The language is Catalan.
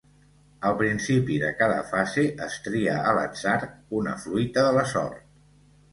Al principi de cada fase es tria a l'atzar una fruita de la sort.